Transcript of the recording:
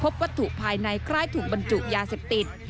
วัตถุภายในคล้ายถูกบรรจุยาเสพติด